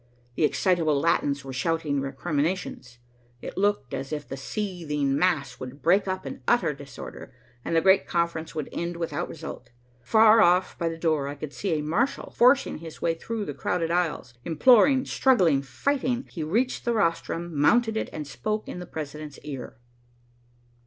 The excitable Latins were shouting recriminations. It looked as if the seething mass would break up in utter disorder, and the great conference would end without result. Far off by the door, I could see a marshal forcing his way through the crowded aisles, imploring, struggling, fighting. He reached the rostrum, mounted it, and spoke in the president's ear.